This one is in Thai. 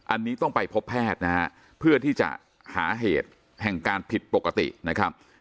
อันนี้ต้องไปพบแพทย์นะฮะเพื่อที่จะหาเหตุแห่งการผิดปกตินะครับ